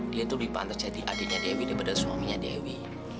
dia itu dipantar jadi adiknya dewi daripada suaminya dewi